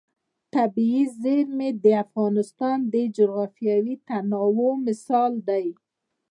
طبیعي زیرمې د افغانستان د جغرافیوي تنوع مثال دی.